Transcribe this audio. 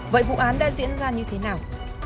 vậy vụ án đã diễn ra như thế nào